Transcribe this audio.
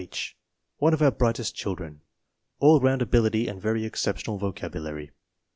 H. One of our brightest chil dren. All round ability and very exceptional vocab ulary.